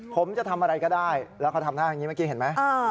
ผมจะทำอะไรก็ได้แล้วเขาทำหน้าอย่างนี้เมื่อกี้เห็นไหม